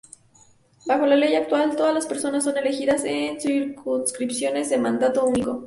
Bajo la ley actual, todas las personas son elegidas en circunscripciones de mandato único.